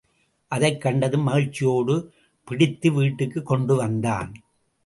அதைக் கண்டதும் மகிழ்ச்சியோடு பிடித்து வீட்டுக்குக் கொண்டுவந்தான்.